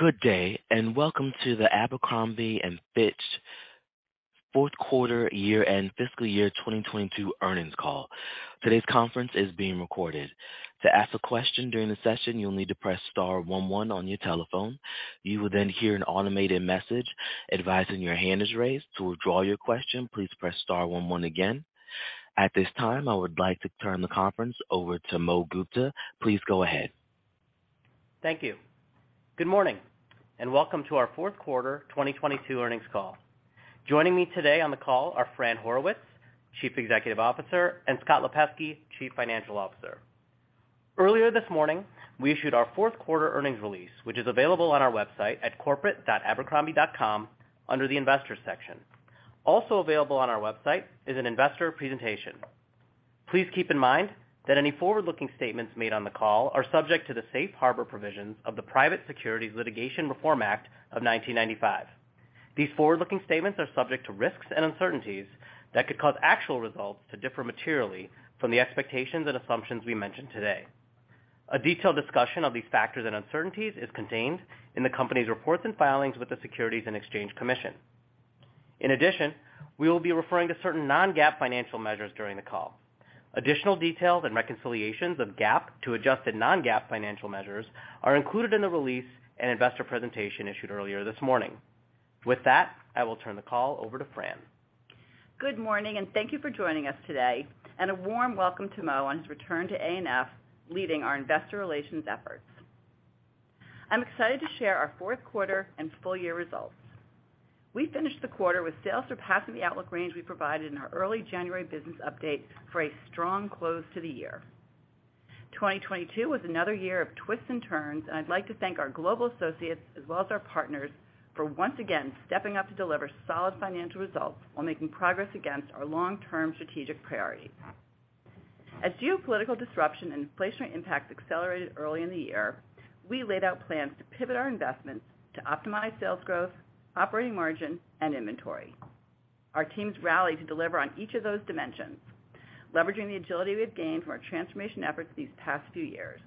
Good day, welcome to the Abercrombie & Fitch Fourth Quarter Year-end Fiscal Year 2022 Earnings Call. Today's conference is being recorded. To ask a question during the session, you'll need to press star one one on your telephone. You will hear an automated message advising your hand is raised. To withdraw your question, please press star one one again. At this time, I would like to turn the conference over to Mo Gupta. Please go ahead. Thank you. Good morning, and welcome to our fourth quarter 2022 earnings call. Joining me today on the call are Fran Horowitz, Chief Executive Officer, and Scott Lipesky, Chief Financial Officer. Earlier this morning, we issued our fourth quarter earnings release, which is available on our website at corporate.abercrombie.com under the Investors section. Also available on our website is an investor presentation. Please keep in mind that any forward-looking statements made on the call are subject to the safe harbor provisions of the Private Securities Litigation Reform Act of 1995. These forward-looking statements are subject to risks and uncertainties that could cause actual results to differ materially from the expectations and assumptions we mention today. A detailed discussion of these factors and uncertainties is contained in the company's reports and filings with the Securities and Exchange Commission. In addition, we will be referring to certain non-GAAP financial measures during the call. Additional details and reconciliations of GAAP to adjusted non-GAAP financial measures are included in the release and investor presentation issued earlier this morning. With that, I will turn the call over to Fran. Good morning, thank you for joining us today. A warm welcome to Mo on his return to ANF, leading our investor relations efforts. I'm excited to share our fourth quarter and full year results. We finished the quarter with sales surpassing the outlook range we provided in our early January business update for a strong close to the year. 2022 was another year of twists and turns. I'd like to thank our global associates as well as our partners for once again stepping up to deliver solid financial results while making progress against our long-term strategic priorities. As geopolitical disruption and inflationary impacts accelerated early in the year, we laid out plans to pivot our investments to optimize sales growth, operating margin, and inventory. Our teams rallied to deliver on each of those dimensions, leveraging the agility we've gained from our transformation efforts these past few years.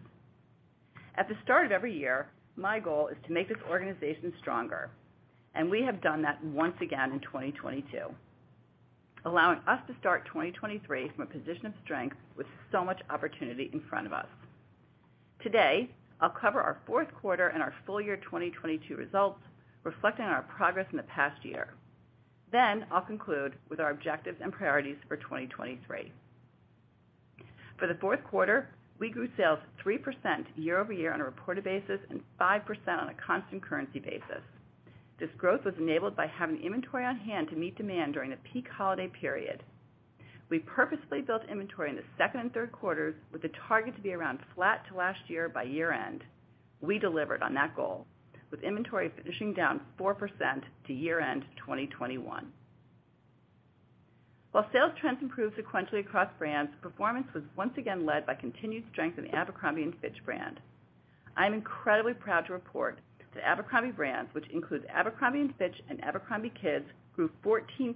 At the start of every year, my goal is to make this organization stronger. We have done that once again in 2022, allowing us to start 2023 from a position of strength with so much opportunity in front of us. Today, I'll cover our fourth quarter and our full year 2022 results, reflecting on our progress in the past year. I'll conclude with our objectives and priorities for 2023. For the fourth quarter, we grew sales 3% year-over-year on a reported basis and 5% on a constant currency basis. This growth was enabled by having inventory on hand to meet demand during the peak holiday period. We purposefully built inventory in the second and third quarters with the target to be around flat to last year by year-end. We delivered on that goal, with inventory finishing down 4% to year-end 2021. While sales trends improved sequentially across brands, performance was once again led by continued strength in the Abercrombie & Fitch brand. I am incredibly proud to report that Abercrombie brands, which includes Abercrombie & Fitch and abercrombie kids, grew 14%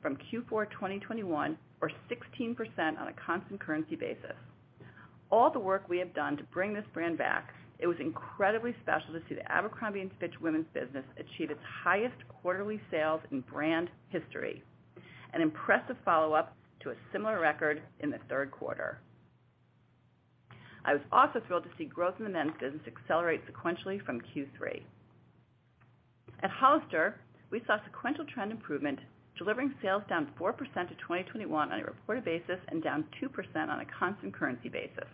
from Q4 2021, or 16% on a constant currency basis. All the work we have done to bring this brand back, it was incredibly special to see the Abercrombie & Fitch women's business achieve its highest quarterly sales in brand history, an impressive follow-up to a similar record in the third quarter. I was also thrilled to see growth in the men's business accelerate sequentially from Q3. At Hollister, we saw sequential trend improvement, delivering sales down 4% to 2021 on a reported basis and down 2% on a constant currency basis.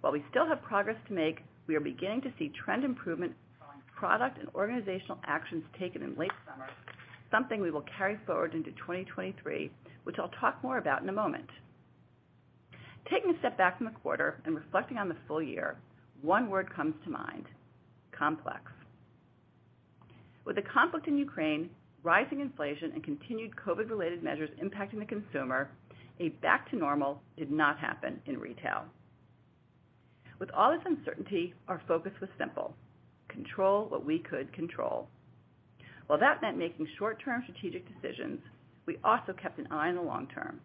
While we still have progress to make, we are beginning to see trend improvement following product and organizational actions taken in late summer, something we will carry forward into 2023, which I'll talk more about in a moment. Taking a step back from the quarter and reflecting on the full year, one word comes to mind: complex. The conflict in Ukraine, rising inflation, and continued COVID-related measures impacting the consumer, a back to normal did not happen in retail. All this uncertainty, our focus was simple: control what we could control. While that meant making short-term strategic decisions, we also kept an eye on the long term.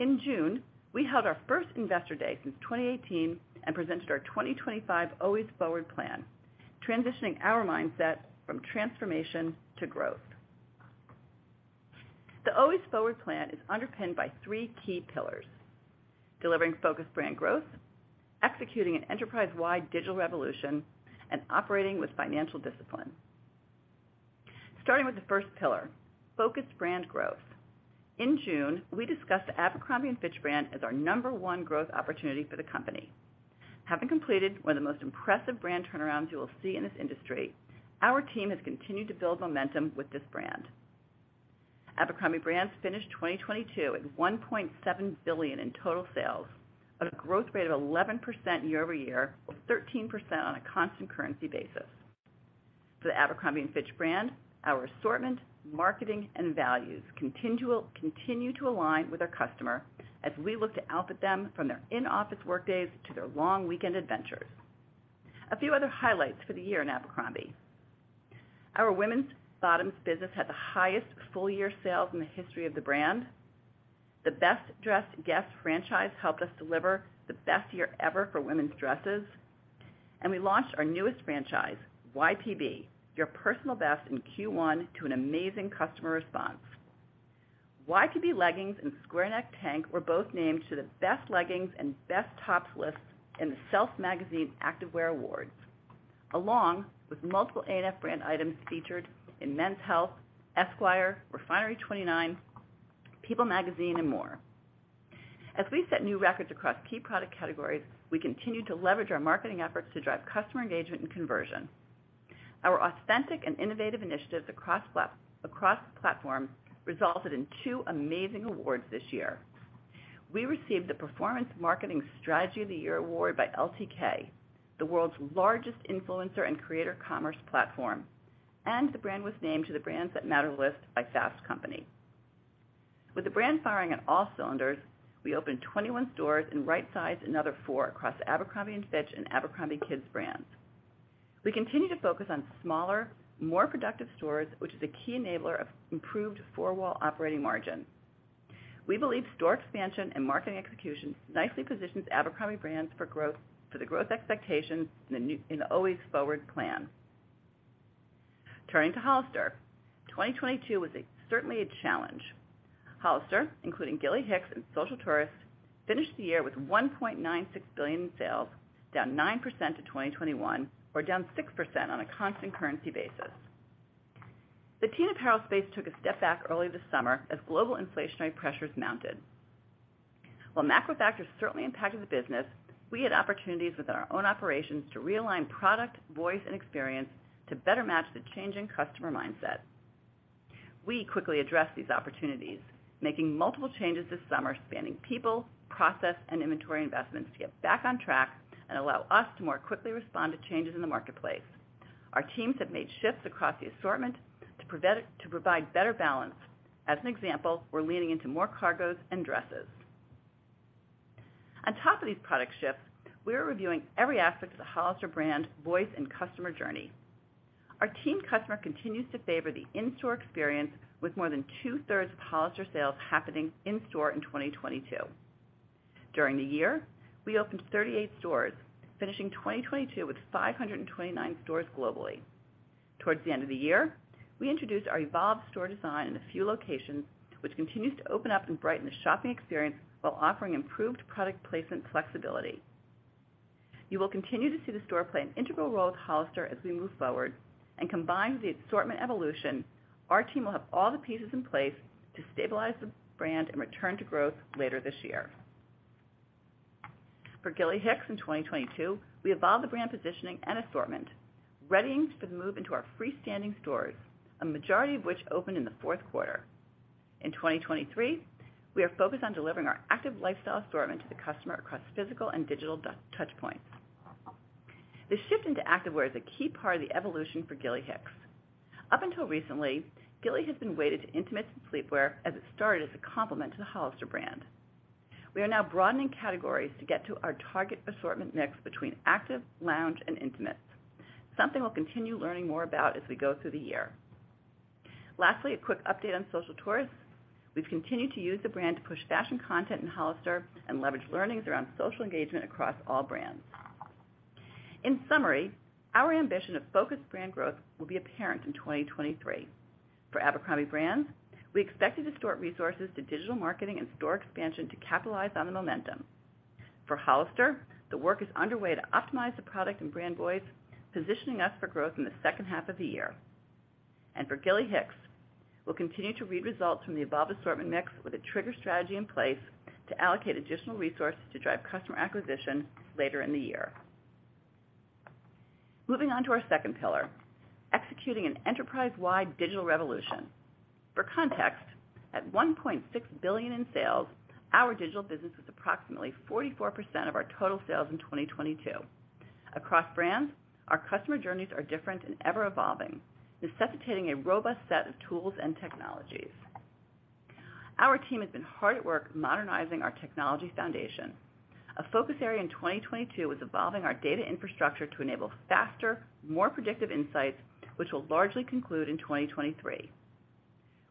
In June, we held our first Investor Day since 2018 and presented our 2025 Always Forward plan, transitioning our mindset from transformation to growth. The Always Forward plan is underpinned by three key pillars: delivering focused brand growth, executing an enterprise-wide digital revolution, and operating with financial discipline. Starting with the first pillar, focused brand growth. In June, we discussed the Abercrombie & Fitch brand as our number one growth opportunity for the company. Having completed one of the most impressive brand turnarounds you will see in this industry, our team has continued to build momentum with this brand. Abercrombie brands finished 2022 at $1.7 billion in total sales at a growth rate of 11% year-over-year, or 13% on a constant currency basis. For the Abercrombie & Fitch brand, our assortment, marketing, and values continue to align with our customer as we look to outfit them from their in-office workdays to their long weekend adventures. A few other highlights for the year in Abercrombie. Our women's bottoms business had the highest full year sales in the history of the brand. The Best Dressed Guest franchise helped us deliver the best year ever for women's dresses. We launched our newest franchise, YPB, Your Personal Best, in Q1 to an amazing customer response. YPB leggings and square neck tank were both named to the best leggings and best tops lists in the SELF Magazine Activewear Awards, along with multiple ANF brand items featured in Men's Health, Esquire, Refinery29, People Magazine, and more. As we set new records across key product categories, we continue to leverage our marketing efforts to drive customer engagement and conversion. Our authentic and innovative initiatives across platforms resulted in two amazing awards this year. We received the Performance Marketing Strategy of the Year Award by LTK, the world's largest influencer and creator commerce platform. The brand was named to the Brands That Matter list by Fast Company. With the brand firing on all cylinders, we opened 21 stores and right-sized another four across the Abercrombie & Fitch and Abercrombie Kids brands. We continue to focus on smaller, more productive stores, which is a key enabler of improved four-wall operating margin. We believe store expansion and marketing execution nicely positions Abercrombie brands for the growth expectations in the Always Forward plan. Turning to Hollister. 2022 was certainly a challenge. Hollister, including Gilly Hicks and Social Tourist, finished the year with $1.96 billion in sales, down 9% to 2021, or down 6% on a constant currency basis. The teen apparel space took a step back early this summer as global inflationary pressures mounted. While macro factors certainly impacted the business, we had opportunities within our own operations to realign product, voice, and experience to better match the changing customer mindset. We quickly addressed these opportunities, making multiple changes this summer, spanning people, process, and inventory investments, to get back on track and allow us to more quickly respond to changes in the marketplace. Our teams have made shifts across the assortment to provide better balance. As an example, we're leaning into more cargos and dresses. On top of these product shifts, we are reviewing every aspect of the Hollister brand, voice, and customer journey. Our teen customer continues to favor the in-store experience with more than two-thirds of Hollister sales happening in store in 2022. During the year, we opened 38 stores, finishing 2022 with 529 stores globally. Towards the end of the year, we introduced our evolved store design in a few locations, which continues to open up and brighten the shopping experience while offering improved product placement flexibility. You will continue to see the store play an integral role with Hollister as we move forward, and combined with the assortment evolution, our team will have all the pieces in place to stabilize the brand and return to growth later this year. For Gilly Hicks in 2022, we evolved the brand positioning and assortment, readying for the move into our freestanding stores, a majority of which opened in the fourth quarter. In 2023, we are focused on delivering our active lifestyle assortment to the customer across physical and digital touchpoints. The shift into activewear is a key part of the evolution for Gilly Hicks. Up until recently, Gilly has been weighted to intimates and sleepwear as it started as a complement to the Hollister brand. We are now broadening categories to get to our target assortment mix between active, lounge, and intimates. Something we'll continue learning more about as we go through the year. Lastly, a quick update on Social Tourist. We've continued to use the brand to push fashion content in Hollister and leverage learnings around social engagement across all brands. In summary, our ambition of focused brand growth will be apparent in 2023. For Abercrombie brands, we expect to distort resources to digital marketing and store expansion to capitalize on the momentum. For Hollister, the work is underway to optimize the product and brand voice, positioning us for growth in the second half of the year. For Gilly Hicks, we'll continue to read results from the above assortment mix with a trigger strategy in place to allocate additional resources to drive customer acquisition later in the year. Moving on to our second pillar, executing an enterprise-wide digital revolution. For context, at $1.6 billion in sales, our digital business was approximately 44% of our total sales in 2022. Across brands, our customer journeys are different and ever evolving, necessitating a robust set of tools and technologies. Our team has been hard at work modernizing our technology foundation. A focus area in 2022 was evolving our data infrastructure to enable faster, more predictive insights, which will largely conclude in 2023.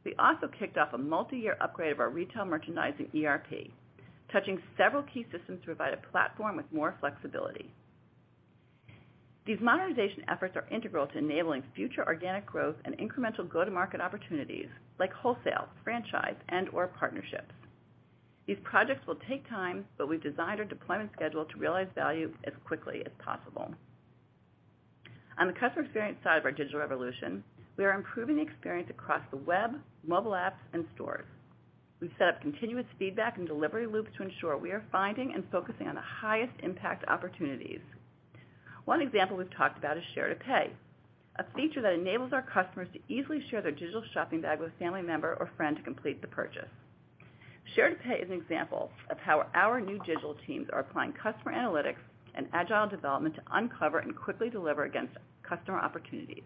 We also kicked off a multi-year upgrade of our retail merchandising ERP, touching several key systems to provide a platform with more flexibility. These modernization efforts are integral to enabling future organic growth and incremental go-to-market opportunities like wholesale, franchise, and/or partnerships. These projects will take time, we've designed our deployment schedule to realize value as quickly as possible. On the customer experience side of our digital revolution, we are improving the experience across the web, mobile apps, and stores. We've set up continuous feedback and delivery loops to ensure we are finding and focusing on the highest impact opportunities. One example we've talked about is Share to Pay, a feature that enables our customers to easily share their digital shopping bag with a family member or friend to complete the purchase. Share to Pay is an example of how our new digital teams are applying customer analytics and agile development to uncover and quickly deliver against customer opportunities.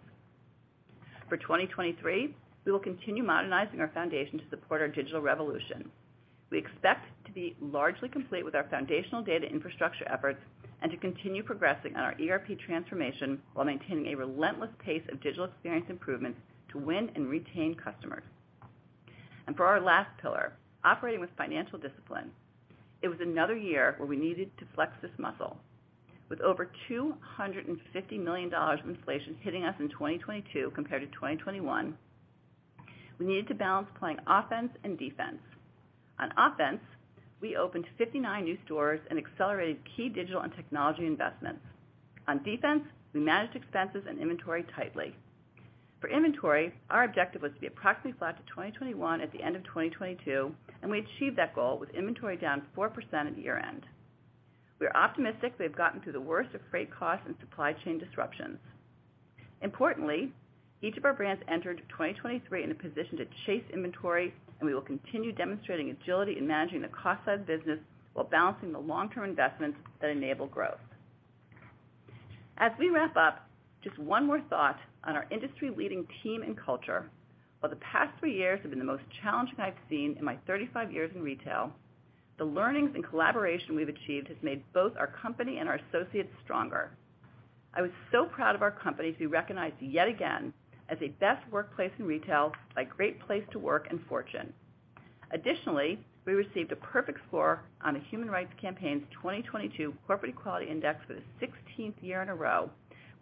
For 2023, we will continue modernizing our foundation to support our digital revolution. We expect to be largely complete with our foundational data infrastructure efforts and to continue progressing on our ERP transformation while maintaining a relentless pace of digital experience improvements to win and retain customers. For our last pillar, operating with financial discipline, it was another year where we needed to flex this muscle. With over $250 million of inflation hitting us in 2022 compared to 2021, we needed to balance playing offense and defense. On offense, we opened 59 new stores and accelerated key digital and technology investments. On defense, we managed expenses and inventory tightly. For inventory, our objective was to be approximately flat to 2021 at the end of 2022, and we achieved that goal with inventory down 4% at year-end. We are optimistic we have gotten through the worst of freight costs and supply chain disruptions. Importantly, each of our brands entered 2023 in a position to chase inventory, and we will continue demonstrating agility in managing the cost side of the business while balancing the long-term investments that enable growth. As we wrap up, just one more thought on our industry-leading team and culture. While the past three years have been the most challenging I've seen in my 35 years in retail, the learnings and collaboration we've achieved has made both our company and our associates stronger. I was so proud of our company to be recognized yet again as a best workplace in retail by Great Place To Work and Fortune. Additionally, we received a perfect score on the Human Rights Campaign's 2022 Corporate Equality Index for the 16th year in a row,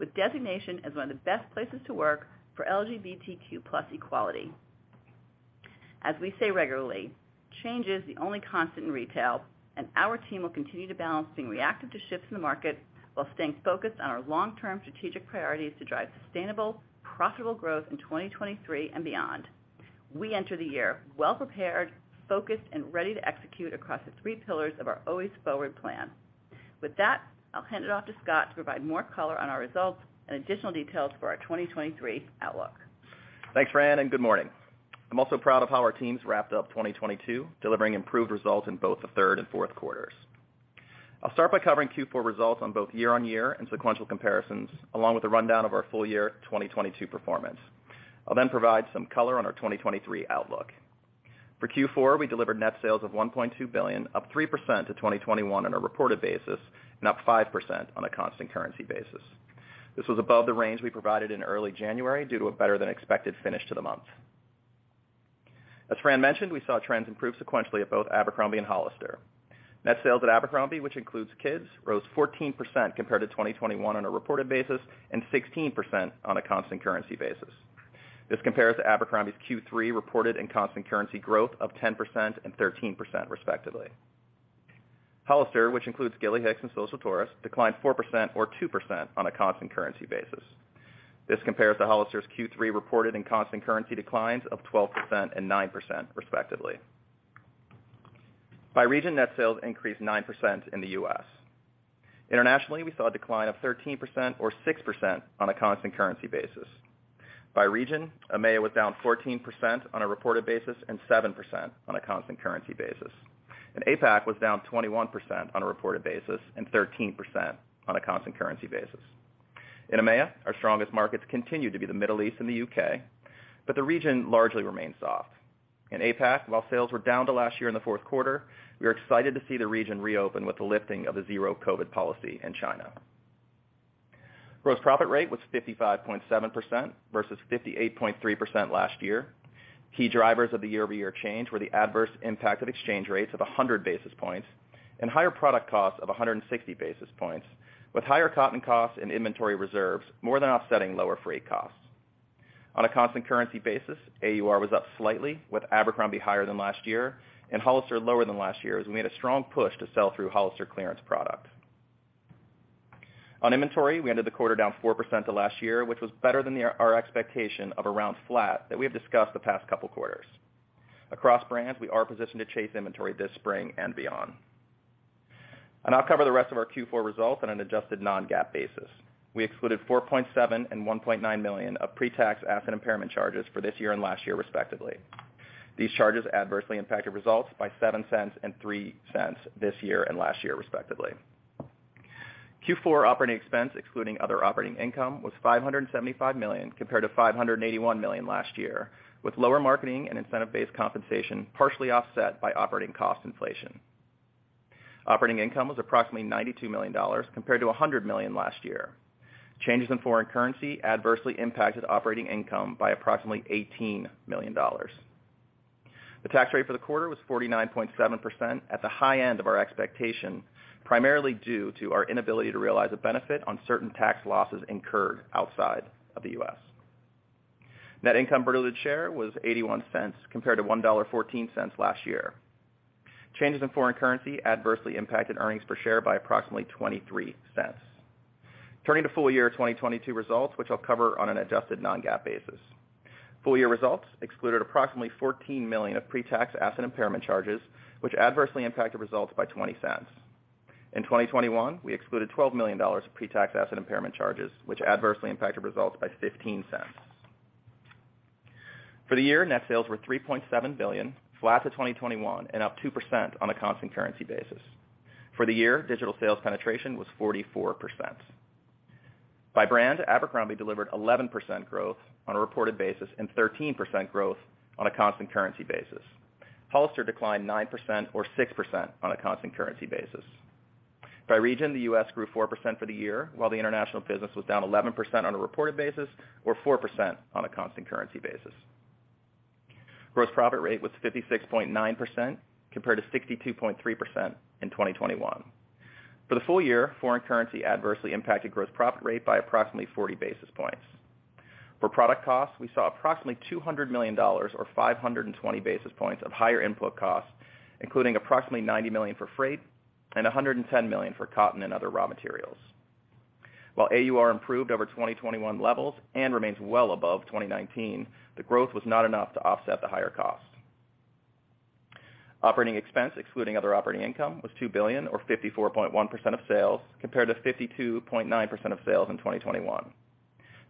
with designation as one of the best places to work for LGBTQ+ equality. As we say regularly, change is the only constant in retail, and our team will continue to balance being reactive to shifts in the market while staying focused on our long-term strategic priorities to drive sustainable, profitable growth in 2023 and beyond. We enter the year well-prepared, focused, and ready to execute across the three pillars of our Always Forward plan. With that, I'll hand it off to Scott to provide more color on our results and additional details for our 2023 outlook. Thanks, Fran. Good morning. I'm also proud of how our teams wrapped up 2022, delivering improved results in both the third and fourth quarters. I'll start by covering Q4 results on both year-on-year and sequential comparisons, along with a rundown of our full year 2022 performance. I'll provide some color on our 2023 outlook. For Q4, we delivered net sales of $1.2 billion, up 3% to 2021 on a reported basis, and up 5% on a constant currency basis. This was above the range we provided in early January due to a better-than-expected finish to the month. As Fran mentioned, we saw trends improve sequentially at both Abercrombie and Hollister. Net sales at Abercrombie, which includes Kids, rose 14% compared to 2021 on a reported basis, and 16% on a constant currency basis. This compares to Abercrombie's Q3 reported and constant currency growth of 10% and 13% respectively. Hollister, which includes Gilly Hicks and Social Tourist, declined 4% or 2% on a constant currency basis. This compares to Hollister's Q3 reported and constant currency declines of 12% and 9% respectively. By region, net sales increased 9% in the U.S. Internationally, we saw a decline of 13% or 6% on a constant currency basis. By region, EMEA was down 14% on a reported basis and 7% on a constant currency basis. APAC was down 21% on a reported basis and 13% on a constant currency basis. In EMEA, our strongest markets continued to be the Middle East and the U.K., but the region largely remains soft. In APAC, while sales were down to last year in the fourth quarter, we are excited to see the region reopen with the lifting of the zero COVID policy in China. Gross profit rate was 55.7% versus 58.3% last year. Key drivers of the year-over-year change were the adverse impact of exchange rates of 100 basis points and higher product costs of 160 basis points, with higher cotton costs and inventory reserves more than offsetting lower freight costs. On a constant currency basis, AUR was up slightly, with Abercrombie higher than last year and Hollister lower than last year, as we made a strong push to sell through Hollister clearance product. On inventory, we ended the quarter down 4% to last year, which was better than our expectation of around flat that we have discussed the past couple quarters. Across brands, we are positioned to chase inventory this spring and beyond. I'll cover the rest of our Q4 results on an adjusted non-GAAP basis. We excluded $4.7 million and $1.9 million of pre-tax asset impairment charges for this year and last year, respectively. These charges adversely impacted results by $0.07 and $0.03 this year and last year, respectively. Q4 operating expense, excluding other operating income, was $575 million compared to $581 million last year, with lower marketing and incentive-based compensation partially offset by operating cost inflation. Operating income was approximately $92 million compared to $100 million last year. Changes in foreign currency adversely impacted operating income by approximately $18 million. The tax rate for the quarter was 49.7% at the high end of our expectation, primarily due to our inability to realize a benefit on certain tax losses incurred outside of the U.S. Net income per diluted share was $0.81 compared to $1.14 last year. Changes in foreign currency adversely impacted earnings per share by approximately $0.23. Turning to full year 2022 results, which I'll cover on an adjusted non-GAAP basis. Full year results excluded approximately $14 million of pre-tax asset impairment charges, which adversely impacted results by $0.20. In 2021, we excluded $12 million of pre-tax asset impairment charges, which adversely impacted results by $0.15. For the year, net sales were $3.7 billion, flat to 2021, and up 2% on a constant currency basis. For the year, digital sales penetration was 44%. By brand, Abercrombie delivered 11% growth on a reported basis, and 13% growth on a constant currency basis. Hollister declined 9% or 6% on a constant currency basis. By region, the US grew 4% for the year, while the international business was down 11% on a reported basis or 4% on a constant currency basis. Gross profit rate was 56.9% compared to 62.3% in 2021. For the full year, foreign currency adversely impacted gross profit rate by approximately 40 basis points. For product costs, we saw approximately $200 million or 520 basis points of higher input costs, including approximately $90 million for freight and $110 million for cotton and other raw materials. While AUR improved over 2021 levels and remains well above 2019, the growth was not enough to offset the higher cost. Operating expense, excluding other operating income, was $2 billion or 54.1% of sales, compared to 52.9% of sales in 2021.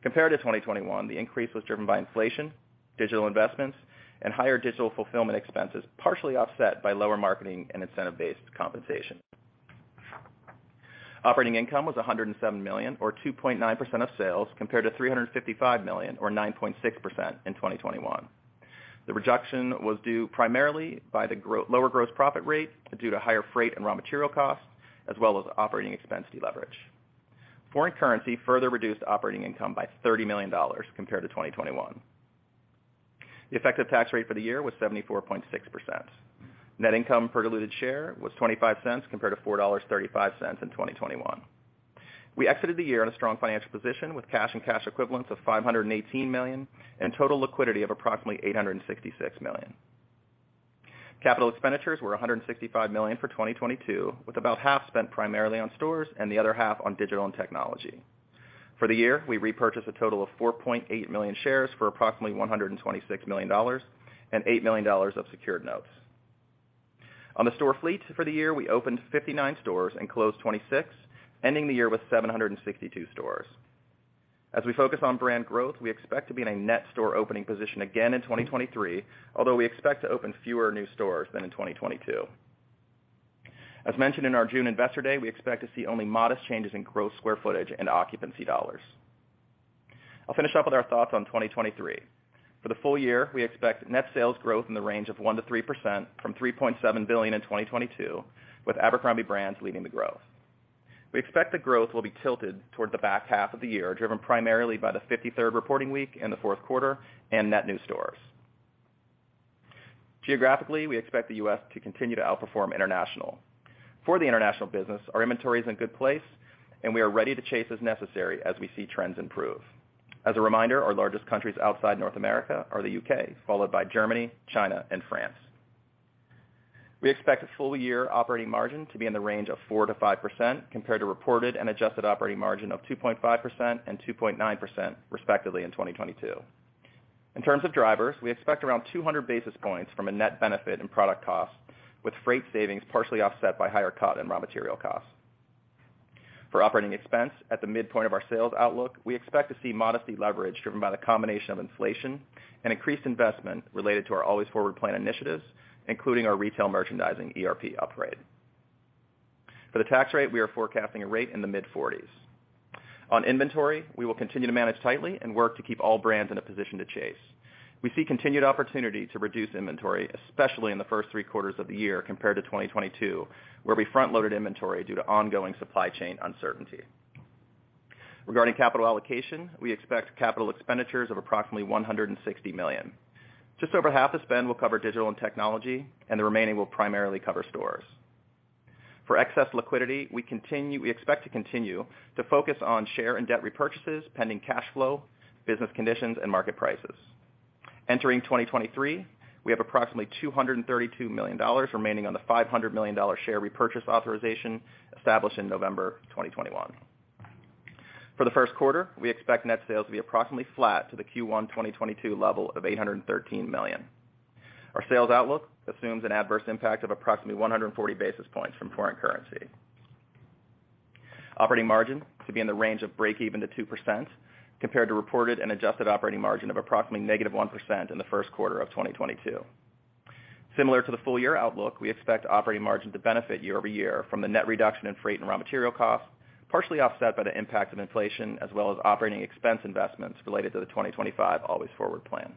Compared to 2021, the increase was driven by inflation, digital investments, and higher digital fulfillment expenses, partially offset by lower marketing and incentive-based compensation. Operating income was $107 million or 2.9% of sales, compared to $355 million or 9.6% in 2021. The reduction was due primarily by the lower gross profit rate due to higher freight and raw material costs, as well as operating expense deleverage. Foreign currency further reduced operating income by $30 million compared to 2021. The effective tax rate for the year was 74.6%. Net income per diluted share was $0.25 compared to $4.35 in 2021. We exited the year in a strong financial position with cash and cash equivalents of $518 million, and total liquidity of approximately $866 million. Capital expenditures were $165 million for 2022, with about half spent primarily on stores and the other half on digital and technology. For the year, we repurchased a total of 4.8 million shares for approximately $126 million and $8 million of secured notes. On the store fleet for the year, we opened 59 stores and closed 26, ending the year with 762 stores. As we focus on brand growth, we expect to be in a net store opening position again in 2023, although we expect to open fewer new stores than in 2022. As mentioned in our June investor day, we expect to see only modest changes in growth square footage and occupancy dollars. I'll finish up with our thoughts on 2023. For the full year, we expect net sales growth in the range of 1%-3% from $3.7 billion in 2022, with Abercrombie brands leading the growth. We expect the growth will be tilted toward the back half of the year, driven primarily by the 53rd reporting week in the fourth quarter and net new stores. Geographically, we expect the U.S. to continue to outperform international. For the international business, our inventory is in good place, and we are ready to chase as necessary as we see trends improve. As a reminder, our largest countries outside North America are the U.K., followed by Germany, China and France. We expect full year operating margin to be in the range of 4%-5% compared to reported and adjusted operating margin of 2.5% and 2.9% respectively in 2022. In terms of drivers, we expect around 200 basis points from a net benefit in product costs, with freight savings partially offset by higher cotton raw material costs. For operating expense, at the midpoint of our sales outlook, we expect to see modest leverage driven by the combination of inflation and increased investment related to our Always Forward plan initiatives, including our retail merchandising ERP upgrade. For the tax rate, we are forecasting a rate in the mid-40s. On inventory, we will continue to manage tightly and work to keep all brands in a position to chase. We see continued opportunity to reduce inventory, especially in the first three quarters of the year compared to 2022, where we front-loaded inventory due to ongoing supply chain uncertainty. Regarding capital allocation, we expect capital expenditures of approximately $160 million. Just over half the spend will cover digital and technology, and the remaining will primarily cover stores. For excess liquidity, we expect to continue to focus on share and debt repurchases, pending cash flow, business conditions, and market prices. Entering 2023, we have approximately $232 million remaining on the $500 million share repurchase authorization established in November 2021. For the first quarter, we expect net sales to be approximately flat to the Q1 2022 level of $813 million. Our sales outlook assumes an adverse impact of approximately 140 basis points from foreign currency. Operating margin to be in the range of breakeven to 2% compared to reported and adjusted operating margin of approximately negative 1% in the first quarter of 2022. Similar to the full year outlook, we expect operating margin to benefit year-over-year from the net reduction in freight and raw material costs, partially offset by the impact of inflation as well as operating expense investments related to the 2025 Always Forward plan.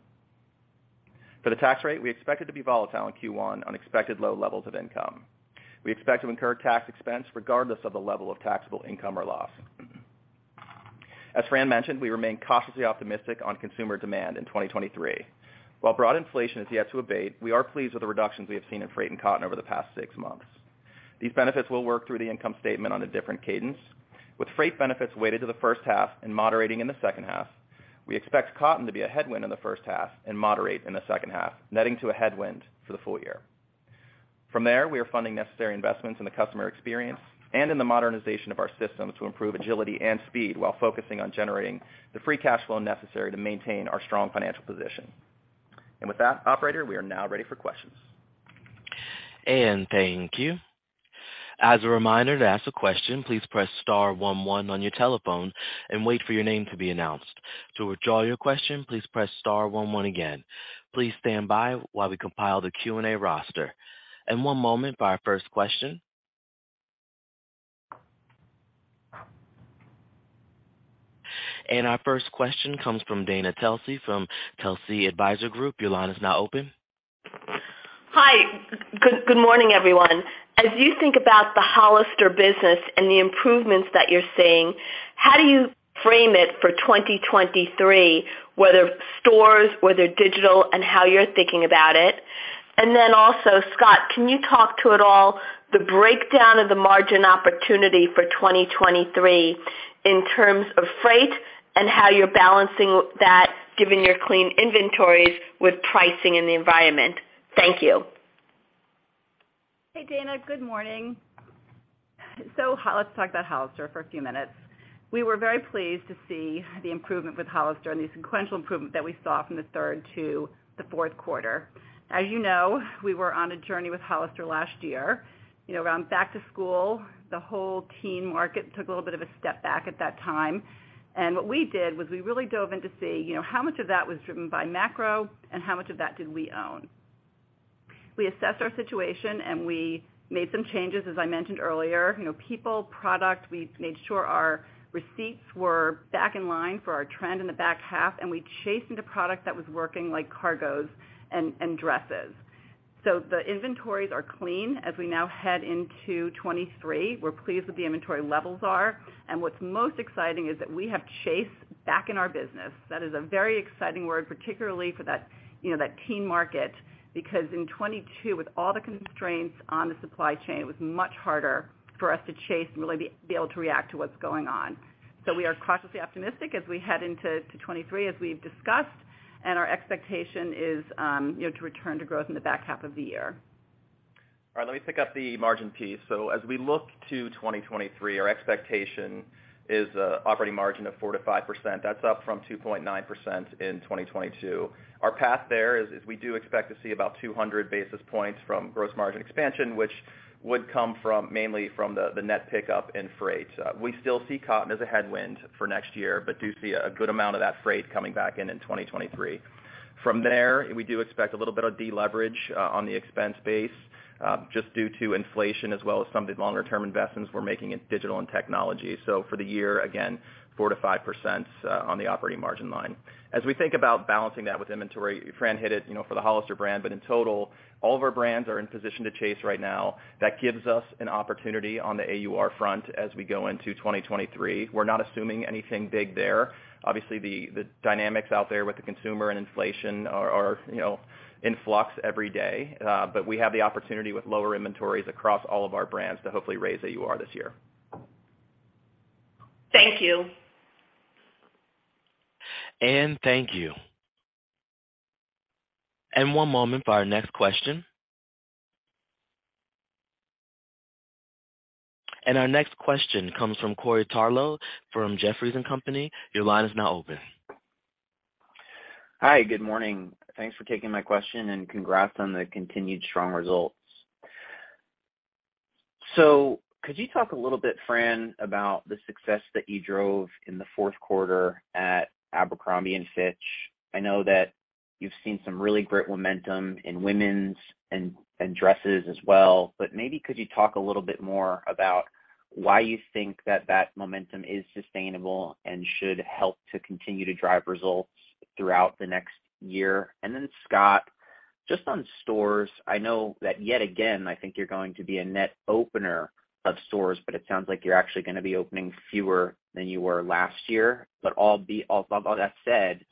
For the tax rate, we expect it to be volatile in Q1 on expected low levels of income. We expect to incur tax expense regardless of the level of taxable income or loss. As Fran mentioned, we remain cautiously optimistic on consumer demand in 2023. While broad inflation is yet to abate, we are pleased with the reductions we have seen in freight and cotton over the past six months. These benefits will work through the income statement on a different cadence. With freight benefits weighted to the first half and moderating in the second half, we expect cotton to be a headwind in the first half and moderate in the second half, netting to a headwind for the full year. From there, we are funding necessary investments in the customer experience and in the modernization of our systems to improve agility and speed while focusing on generating the free cash flow necessary to maintain our strong financial position. With that, operator, we are now ready for questions. Thank you. As a reminder, to ask a question, please press star one one your telephone and wait for your name to be announced. To withdraw your question, please press star one one again. Please stand by while we compile the Q&A roster. One moment for our first question. Our first question comes from Dana Telsey from Telsey Advisory Group. Your line is now open. Hi. Good morning, everyone. As you think about the Hollister business and the improvements that you're seeing, how do you frame it for 2023, whether stores, whether digital, and how you're thinking about it? Also, Scott, can you talk to at all the breakdown of the margin opportunity for 2023 in terms of freight and how you're balancing that given your clean inventories with pricing in the environment? Thank you. Hey, Dana. Good morning. Let's talk about Hollister for a few minutes. We were very pleased to see the improvement with Hollister and the sequential improvement that we saw from the third to the fourth quarter. As you know, we were on a journey with Hollister last year. You know, around back to school, the whole teen market took a little bit of a step back at that time. What we did was we really dove in to see, you know, how much of that was driven by macro and how much of that did we own. We assessed our situation, and we made some changes, as I mentioned earlier. You know, people, product. We made sure our receipts were back in line for our trend in the back half, and we chased into products that was working like cargos and dresses. The inventories are clean as we now head into 2023. We're pleased with the inventory levels are. What's most exciting is that we have chase back in our business. That is a very exciting word, particularly for that, you know, that teen market. In 2022, with all the constraints on the supply chain, it was much harder for us to chase and really be able to react to what's going on. We are cautiously optimistic as we head into 2023, as we've discussed, and our expectation is, you know, to return to growth in the back half of the year. All right, let me pick up the margin piece. As we look to 2023, our expectation is a operating margin of 4%-5%. That's up from 2.9% in 2022. Our path there is we do expect to see about 200 basis points from gross margin expansion, which would come mainly from the net pickup in freight. We still see cotton as a headwind for next year, but do see a good amount of that freight coming back in 2023. From there, we do expect a little bit of deleverage on the expense base, just due to inflation as well as some of the longer term investments we're making in digital and technology. For the year, again, 4%-5% on the operating margin line. As we think about balancing that with inventory, Fran hit it, you know, for the Hollister brand. In total, all of our brands are in position to chase right now. That gives us an opportunity on the AUR front as we go into 2023. We're not assuming anything big there. Obviously, the dynamics out there with the consumer and inflation are, you know, in flux every day. We have the opportunity with lower inventories across all of our brands to hopefully raise AUR this year. Thank you. Dana, thank you. One moment for our next question. Our next question comes from Corey Tarlowe from Jefferies & Company. Your line is now open. Hi, good morning. Thanks for taking my question, and congrats on the continued strong results. Could you talk a little bit, Fran, about the success that you drove in the fourth quarter at Abercrombie & Fitch? I know that you've seen some really great momentum in women's and dresses as well, but maybe could you talk a little bit more about why you think that that momentum is sustainable and should help to continue to drive results throughout the next year. Scott, just on stores, I know that yet again, I think you're going to be a net opener of stores, but it sounds like you're actually gonna be opening fewer than you were last year. With all that said,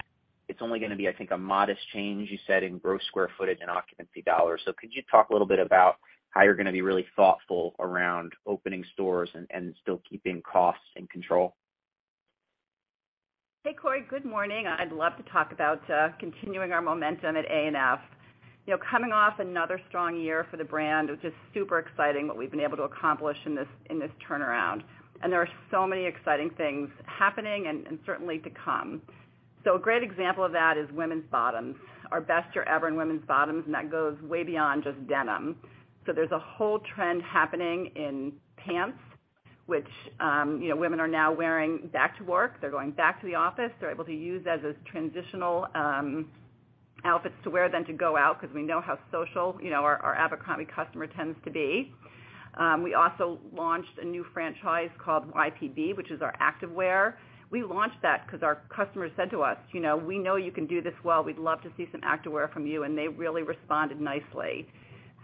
it's only gonna be, I think, a modest change, you said, in gross square footage and occupancy dollars? Could you talk a little bit about how you're gonna be really thoughtful around opening stores and still keeping costs in control? Hey, Corey. Good morning. I'd love to talk about continuing our momentum at ANF. You know, coming off another strong year for the brand, which is super exciting, what we've been able to accomplish in this turnaround. There are so many exciting things happening and certainly to come. A great example of that is women's bottoms. Our best year ever in women's bottoms, and that goes way beyond just denim. There's a whole trend happening in pants, which, you know, women are now wearing back to work. They're going back to the office. They're able to use as a transitional outfits to wear then to go out because we know how social, you know, our Abercrombie customer tends to be. We also launched a new franchise called YPB, which is our activewear. We launched that because our customers said to us, you know, we know you can do this well. We'd love to see some activewear from you. They really responded nicely.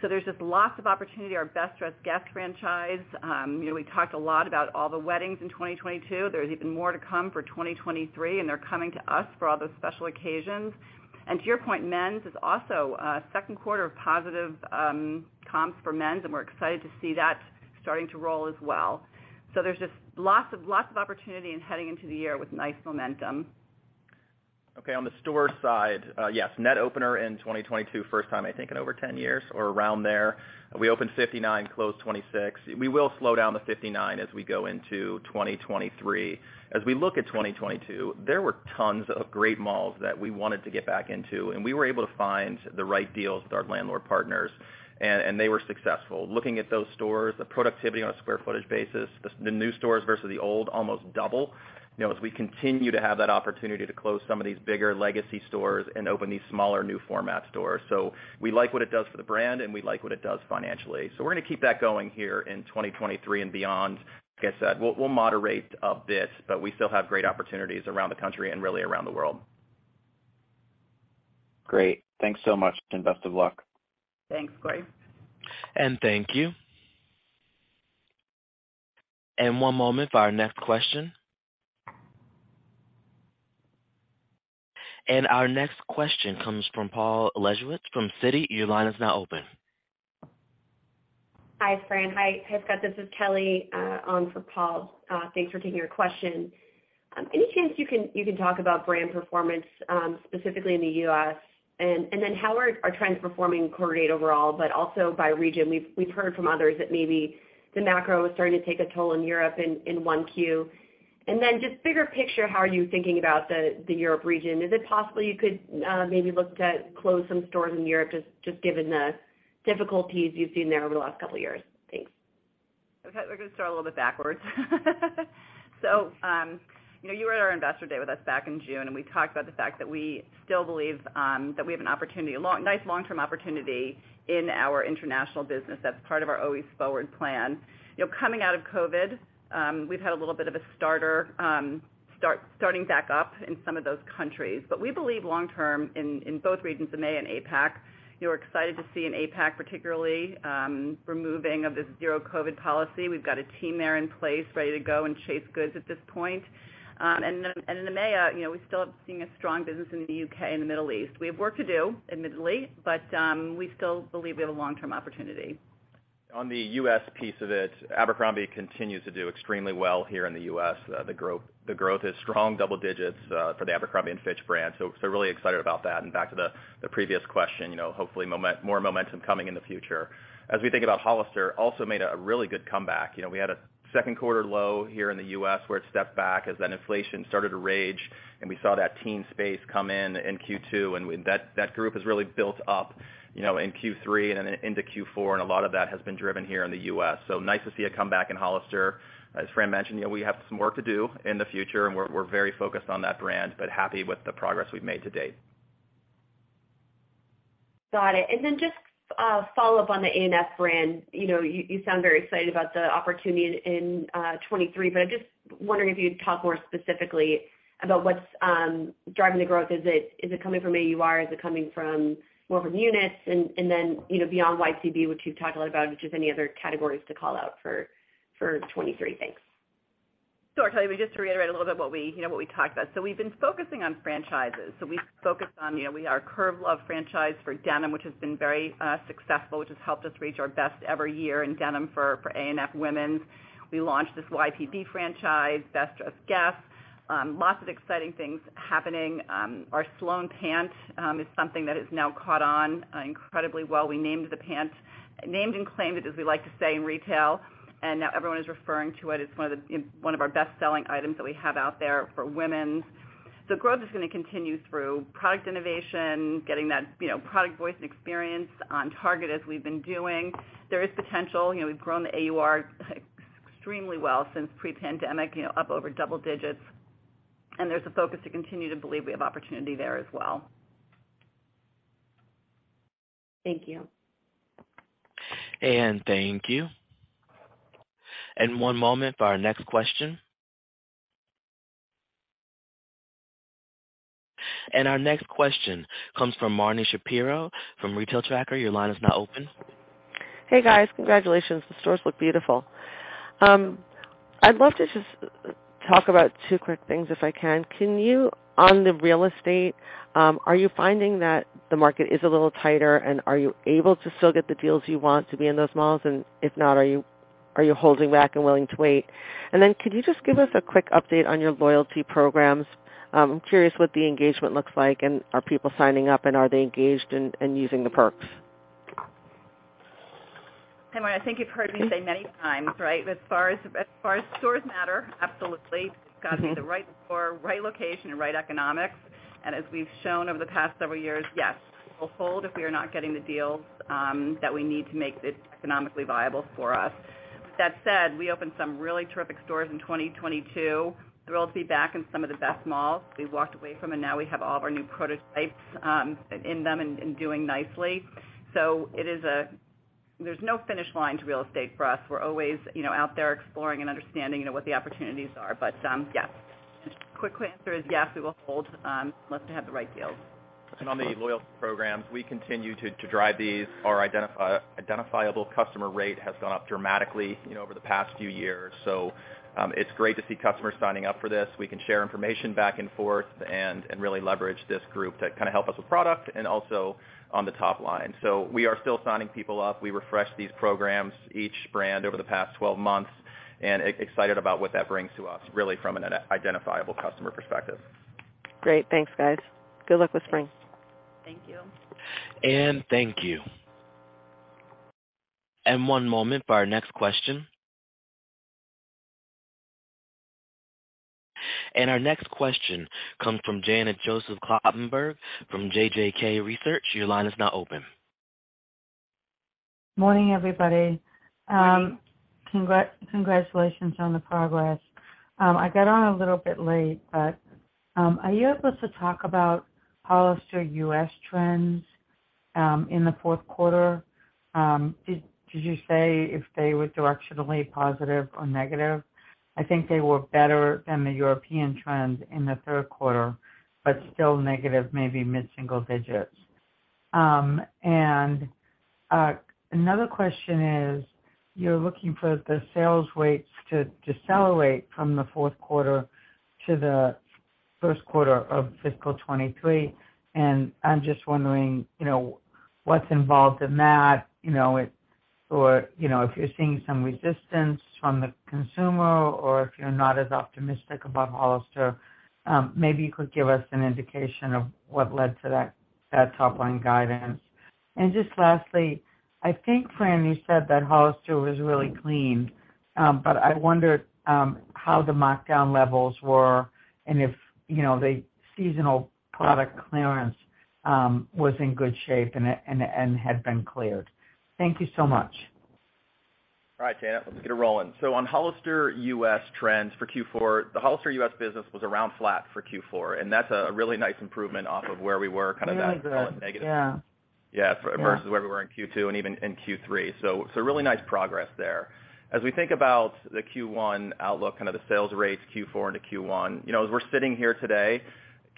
There's just lots of opportunity. Our Best Dressed Guest franchise. You know, we talked a lot about all the weddings in 2022. There's even more to come for 2023, and they're coming to us for all those special occasions. To your point, men's is also second quarter of positive comps for men's, and we're excited to see that starting to roll as well. There's just lots of opportunity in heading into the year with nice momentum. Okay. On the store side, yes, net opener in 2022, first time I think in over 10 years or around there. We opened 59, closed 26. We will slow down the 59 as we go into 2023. As we look at 2022, there were tons of great malls that we wanted to get back into, and we were able to find the right deals with our landlord partners, they were successful. Looking at those stores, the productivity on a square footed basis, the new stores versus the old almost double, you know, as we continue to have that opportunity to close some of these bigger legacy stores and open these smaller new format stores. We like what it does for the brand, and we like what it does financially. We're gonna keep that going here in 2023 and beyond. Like I said, we'll moderate a bit, but we still have great opportunities around the country and really around the world. Great. Thanks so much and best of luck. Thanks, Corey. Thank you. One moment for our next question. Our next question comes from Paul Lejuez from Citi. Your line is now open. Hi, Fran. Hi, Scott. This is Kelly, on for Paul. Thanks for taking our question. Any chance you can talk about brand performance, specifically in the U.S., and then how are trends performing [quarter-to-date] overall, but also by region? We've heard from others that maybe the macro is starting to take a toll in Europe in Q1. Then just bigger picture, how are you thinking about the Europe region? Is it possible you could maybe look to close some stores in Europe just given the difficulties you've seen there over the last couple years? Thanks. We're gonna start a little bit backwards. You know, you were at our investor day with us back in June, and we talked about the fact that we still believe that we have an opportunity, a nice long-term opportunity in our international business. That's part of our Always Forward plan. You know, coming out of COVID, we've had a little bit of a starting back up in some of those countries. We believe long term in both regions, EMEA and APAC. You know, we're excited to see in APAC particularly, removing of this zero COVID policy. We've got a team there in place ready to go and chase goods at this point. And in EMEA, you know, we still have seen a strong business in the U.K. and the Middle East. We have work to do, admittedly, but, we still believe we have a long-term opportunity. On the U.S. piece of it, Abercrombie continues to do extremely well here in the U.S. The growth is strong, double-digits, for the Abercrombie & Fitch brand, so really excited about that. Back to the previous question, you know, hopefully more momentum coming in the future. As we think about Hollister, also made a really good comeback. You know, we had a second quarter low here in the U.S. where it stepped back as then inflation started to rage, and we saw that teen space come in in Q2, and that group has really built up, you know, in Q3 and into Q4, and a lot of that has been driven here in the U.S. Nice to see a comeback in Hollister. As Fran mentioned, you know, we have some work to do in the future, and we're very focused on that brand, but happy with the progress we've made to date. Got it. Then just a follow-up on the A&F brand. You know, you sound very excited about the opportunity in 2023, I'm just wondering if you'd talk more specifically about what's driving the growth. Is it coming from AUR? Is it coming from more of units? Then, you know, beyond YPB, which you've talked a lot about, just any other categories to call out for 2023? Thanks. Sure, Kelly. We just reiterate a little bit what we, you know, what we talked about. We've been focusing on franchises. We focused on, you know, our Curve Love franchise for denim, which has been very successful, which has helped us reach our best ever year in denim for A&F Women's. We launched this YPB franchise, Best Dressed Guest. Lots of exciting things happening. Our Sloane Pant is something that has now caught on incredibly well. Named and claimed it, as we like to say in retail, now everyone is referring to it. It's one of our best-selling items that we have out there for women. The growth is gonna continue through product innovation, getting that, you know, product voice and experience on target as we've been doing. There is potential. You know, we've grown the AUR extremely well since pre-pandemic, you know, up over double digits. There's a focus to continue to believe we have opportunity there as well. Thank you. Thank you. One moment for our next question. Our next question comes from Marni Shapiro from The Retail Tracker. Your line is now open. Hey, guys. Congratulations. The stores look beautiful. I'd love to just talk about two quick things, if I can. On the real estate, are you finding that the market is a little tighter, and are you able to still get the deals you want to be in those malls? If not, are you holding back and willing to wait? Could you just give us a quick update on your loyalty programs? I'm curious what the engagement looks like, and are people signing up, and are they engaged in using the perks? Hey, Marni. I think you've heard me say many times, right? As far as stores matter, absolutely. It's got to be the right store, right location, and right economics. As we've shown over the past several years, yes, we'll hold if we are not getting the deals that we need to make it economically viable for us. With that said, we opened some really terrific stores in 2022. Thrilled to be back in some of the best malls we've walked away from, and now we have all of our new prototypes in them and doing nicely. It is. There's no finish line to real estate for us. We're always, you know, out there exploring and understanding, you know, what the opportunities are. Yeah, just quick answer is yes, we will hold unless we have the right deals. On the loyalty programs, we continue to drive these. Our identifiable customer rate has gone up dramatically, you know, over the past few years. It's great to see customers signing up for this. We can share information back and forth and really leverage this group to kinda help us with product and also on the top line. We are still signing people up. We refreshed these programs, each brand, over the past 12 months and excited about what that brings to us really from an identifiable customer perspective. Great. Thanks, guys. Good luck with spring. Thank you. Thank you. One moment for our next question. Our next question comes from Janet Joseph Kloppenburg from JJK Research. Your line is now open. Morning, everybody. Congratulations on the progress. I got on a little bit late, but are you able to talk about Hollister US trends in the fourth quarter? Did you say if they were directionally positive or negative? I think they were better than the European trends in the third quarter, but still negative, maybe mid-single digits. Another question is, you're looking for the sales rates to decelerate from the fourth quarter to the first quarter of fiscal 2023, and I'm just wondering, you know, what's involved in that. You know, or, you know, if you're seeing some resistance from the consumer or if you're not as optimistic about Hollister, maybe you could give us an indication of what led to that top-line guidance. Just lastly, I think Fran, you said that Hollister was really cleaned. I wondered how the markdown levels were and if, you know, the seasonal product clearance was in good shape and had been cleared. Thank you so much. All right, Janet, let's get it rolling. On Hollister U.S. trends for Q4, the Hollister U.S. business was around flat for Q4. That's a really nice improvement off of where we were. Really good. -negative. Yeah. Yeah. Yeah. Versus where we were in Q2 and even in Q3. Really nice progress there. As we think about the Q1 outlook, kind of the sales rates Q4 into Q1, you know, as we're sitting here today,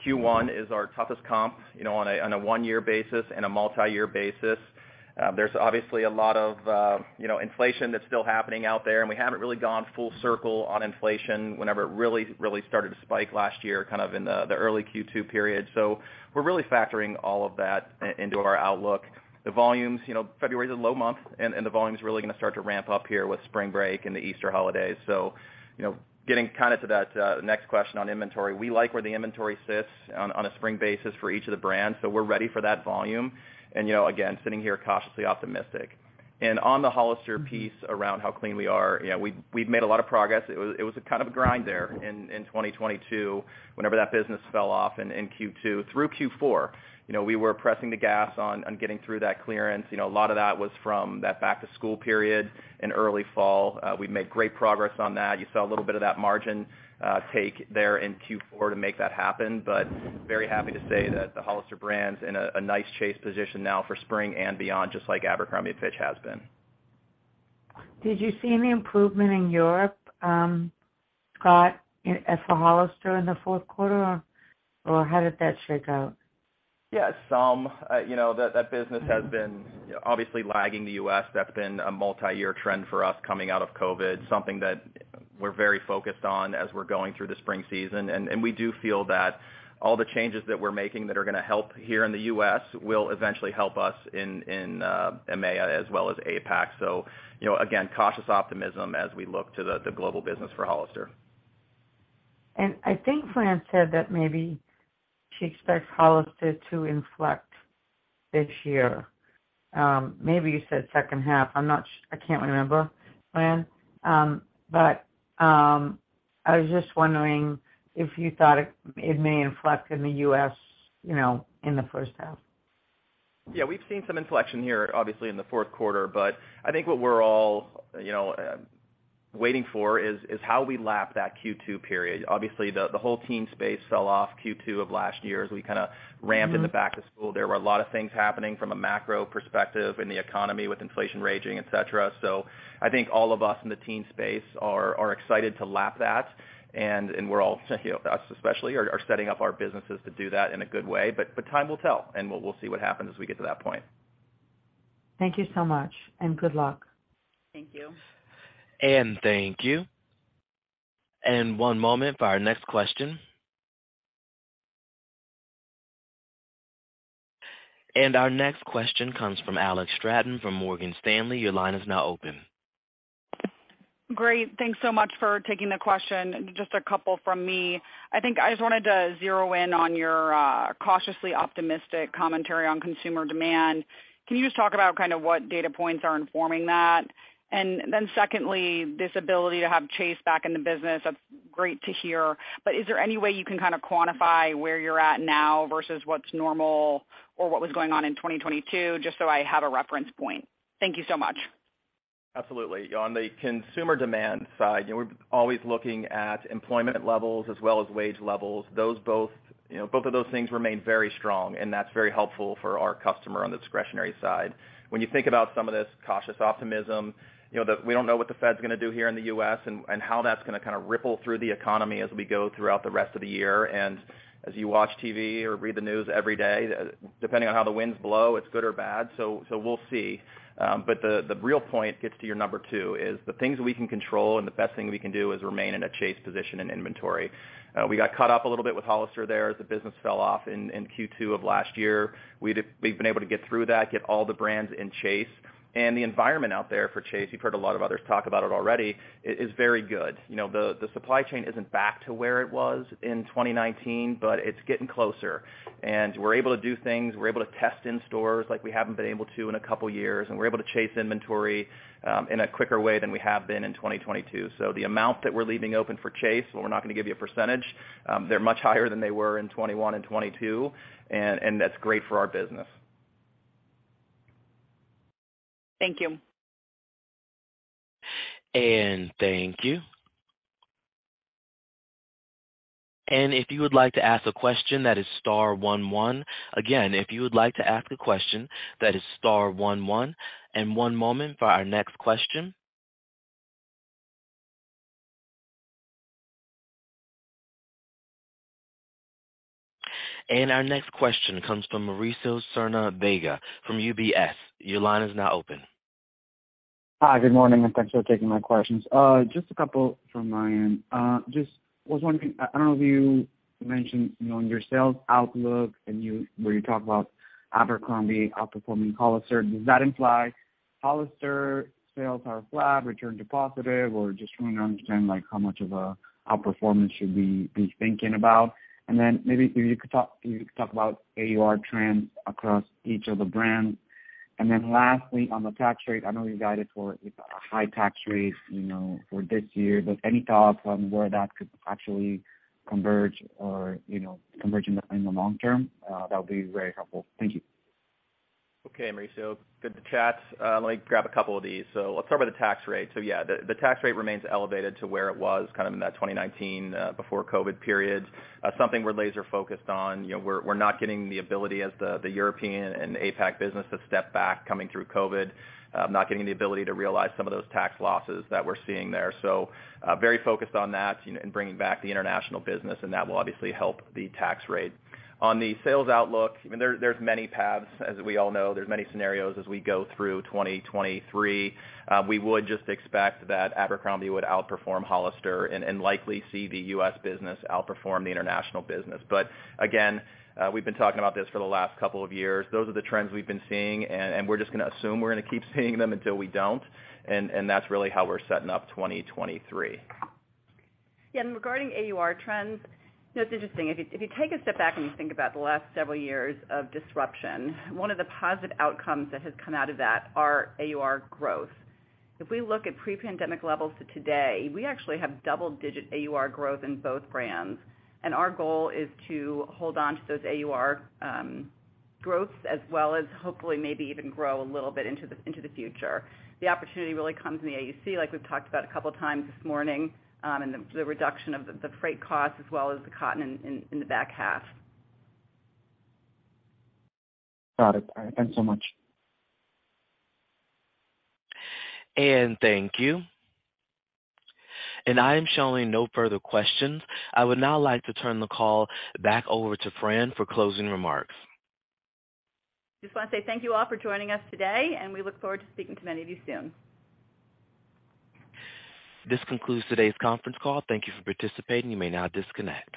Q1 is our toughest comp, you know, on a one-year basis and a multi-year basis. There's obviously a lot of, you know, inflation that's still happening out there, and we haven't really gone full circle on inflation whenever it really started to spike last year, kind of in the early Q2 period. We're really factoring all of that into our outlook. The volumes, you know, February's a low month, and the volume's really gonna start to ramp up here with spring break and the Easter holidays. You know, getting kind of to that next question on inventory, we like where the inventory sits on a spring basis for each of the brands, so we're ready for that volume. You know, again, sitting here cautiously optimistic. On the Hollister piece around how clean we are, yeah, we've made a lot of progress. It was, it was a kind of a grind there in 2022 whenever that business fell off in Q2 through Q4. You know, we were pressing the gas on getting through that clearance. You know, a lot of that was from that back to school period in early fall. We've made great progress on that. You saw a little bit of that margin take there in Q4 to make that happen. Very happy to say that the Hollister brand's in a nice chase position now for spring and beyond, just like Abercrombie & Fitch has been. Did you see any improvement in Europe, Scott, as for Hollister in the fourth quarter, or how did that shake out? Yeah, some. you know, that business has been obviously lagging the U.S. That's been a multi-year trend for us coming out of COVID, something that we're very focused on as we're going through the spring season. We do feel that all the changes that we're making that are gonna help here in the U.S. will eventually help us in EMEA as well as APAC. you know, again, cautious optimism as we look to the global business for Hollister. I think Fran said that maybe she expects Hollister to inflect this year. Maybe you said second half. I can't remember, Fran. I was just wondering if you thought it may inflect in the U.S., you know, in the first half. Yeah. We've seen some inflection here, obviously in the fourth quarter. I think what we're all, you know, waiting for is how we lap that Q2 period. Obviously, the whole teen space fell off Q2 of last year as we kinda ramped in the back to school. There were a lot of things happening from a macro perspective in the economy with inflation raging, et cetera. I think all of us in the teen space are excited to lap that. We're all you know, us especially, are setting up our businesses to do that in a good way. Time will tell, and we'll see what happens as we get to that point. Thank you so much, and good luck. Thank you. Thank you. One moment for our next question. Our next question comes from Alex Straton from Morgan Stanley. Your line is now open. Great. Thanks so much for taking the question. Just a couple from me. I think I just wanted to zero in on your cautiously optimistic commentary on consumer demand. Can you just talk about kind of what data points are informing that? Secondly, this ability to have chase back in the business, that's great to hear, but is there any way you can kind of quantify where you're at now versus what's normal or what was going on in 2022, just so I have a reference point? Thank you so much. Absolutely. On the consumer demand side, you know, we're always looking at employment levels as well as wage levels. Those, you know, both of those things remain very strong, and that's very helpful for our customer on the discretionary side. When you think about some of this cautious optimism, you know, we don't know what the Fed's gonna do here in the US and how that's gonna kinda ripple through the economy as we go throughout the rest of the year. As you watch TV or read the news every day, depending on how the winds blow, it's good or bad. We'll see. The real point gets to your number two is the things we can control and the best thing we can do is remain in a chase position in inventory. We got caught up a little bit with Hollister there as the business fell off in Q2 of last year. We've been able to get through that, get all the brands in chase. The environment out there for chase, you know, you've heard a lot of others talk about it already, is very good. You know, the supply chain isn't back to where it was in 2019, but it's getting closer. We're able to do things. We're able to test in stores like we haven't been able to in a couple years, and we're able to chase inventory in a quicker way than we have been in 2022. The amount that we're leaving open for chase, but we're not gonna give you a percentage, they're much higher than they were in 2021 and 2022, and that's great for our business. Thank you. Thank you. If you would like to ask a question, that is star one one. Again, if you would like to ask a question, that is star one one. One moment for our next question. Our next question comes from Mauricio Serna Vega from UBS. Your line is now open. Hi, good morning, and thanks for taking my questions. Just a couple from my end. Just was wondering, I don't know if you mentioned, you know, in your sales outlook where you talk about Abercrombie outperforming Hollister, does that imply Hollister sales are flat, return to positive? Or just trying to understand, like, how much of a outperformance should we be thinking about. Maybe if you could talk about AUR trends across each of the brands. Lastly, on the tax rate, I know you guys are for high tax rates, you know, for this year. Any thoughts on where that could actually converge or, you know, converge in the long term, that would be very helpful. Thank you. Okay, Mauricio. Good to chat. Let me grab a couple of these. Let's start with the tax rate. The tax rate remains elevated to where it was kind of in that 2019 before COVID period. Something we're laser focused on. You know, we're not getting the ability as the European and APAC business to step back coming through COVID. Not getting the ability to realize some of those tax losses that we're seeing there. Very focused on that, you know, and bringing back the international business, and that will obviously help the tax rate. On the sales outlook, I mean, there's many paths, as we all know. There's many scenarios as we go through 2023. We would just expect that Abercrombie would outperform Hollister and likely see the U.S. business outperform the international business. Again, we've been talking about this for the last couple of years. Those are the trends we've been seeing and we're just gonna assume we're gonna keep seeing them until we don't. That's really how we're setting up 2023. Yeah. Regarding AUR trends, you know, it's interesting. If you take a step back and you think about the last several years of disruption, one of the positive outcomes that has come out of that are AUR growth. If we look at pre-pandemic levels to today, we actually have double-digit AUR growth in both brands. Our goal is to hold on to those AUR growths as well as hopefully maybe even grow a little bit into the future. The opportunity really comes in the AUC, like we've talked about a couple of times this morning, and the reduction of the freight costs as well as the cotton in the back half. Got it. All right. Thanks so much. Thank you. I am showing no further questions. I would now like to turn the call back over to Fran for closing remarks. Just wanna say thank you all for joining us today, and we look forward to speaking to many of you soon. This concludes today's conference call. Thank you for participating. You may now disconnect.